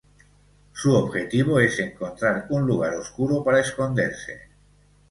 Su objetivo es encontrar un lugar oscuro para esconderse.